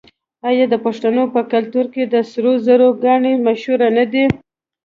آیا د پښتنو په کلتور کې د سرو زرو ګاڼې مشهورې نه دي؟